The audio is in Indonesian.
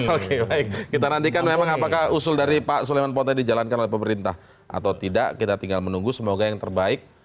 oke baik kita nantikan memang apakah usul dari pak suleman ponte dijalankan oleh pemerintah atau tidak kita tinggal menunggu semoga yang terbaik